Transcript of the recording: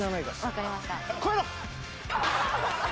わかりました。